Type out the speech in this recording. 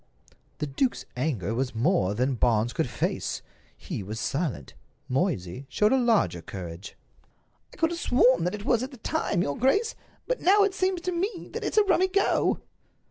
The duke's anger was more than Barnes could face. He was silent. Moysey showed a larger courage. "I could have sworn that it was at the time, your grace. But now it seems to me that it's a rummy go."